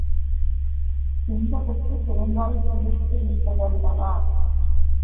தின்பதற்குத் தேங்காய் கிடைத்துவிட்டதல்லவா?